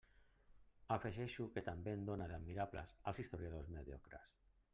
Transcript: Afegeixo que també en dóna d'admirables als historiadors mediocres.